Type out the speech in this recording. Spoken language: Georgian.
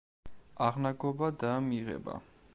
აღნაგობა და მიღება.